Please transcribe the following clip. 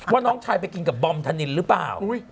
ว่าน้องชายไปกินกับบอมธนินหรือเปล่า